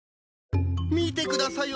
見てくださいよ